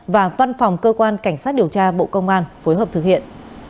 và văn phòng cơ quan cảnh sát điều tra bộ công an phối hợp thực hiện